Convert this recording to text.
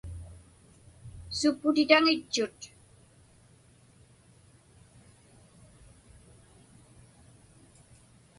Suppititaŋitchut.